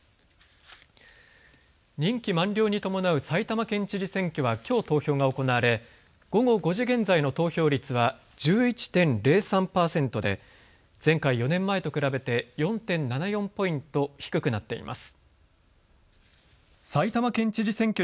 任期満了に伴う埼玉県知事選挙はきょう投票が行われ午後５時現在の投票率は１１．０３％で前回４年前と比べて４．７４ポイント低くなっています。